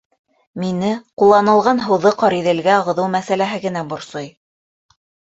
Мине ҡулланылған һыуҙы Ҡариҙелгә ағыҙыу мәсьәләһе генә борсой.